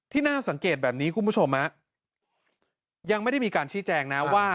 น่าสังเกตแบบนี้คุณผู้ชมยังไม่ได้มีการชี้แจงนะว่า